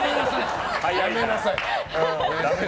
やめなさい！